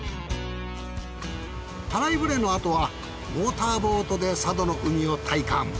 たらい舟の後はモーターボートで佐渡の海を体感！